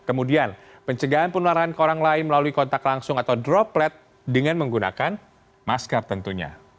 kemudian pencegahan penularan ke orang lain melalui kontak langsung atau droplet dengan menggunakan masker tentunya